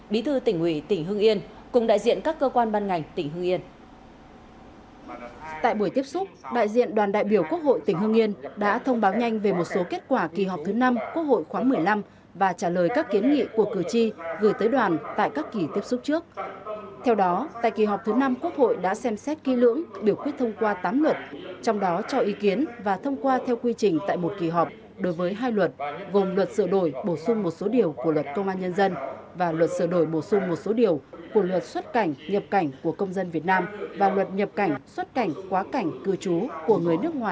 cũng tại hội nghị bộ trưởng tô lâm đã trả lời một số kiến nghị của cử tri gửi tới đoàn đại biểu quốc hội tỉnh hưng yên trong đó có kiến nghị về xử lý tình trạng lừa đảo trên không gian mạng